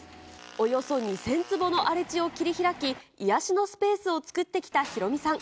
およそ２０００坪の荒れ地を切り開き、癒やしのスペースを作ってきたヒロミさん。